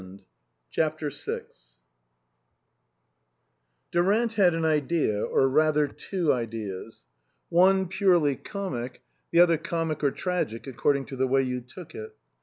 60 CHAPTER VI DURANT had an idea, or rather two ideas, one purely comic, the other comic or tragic according to the way you took it.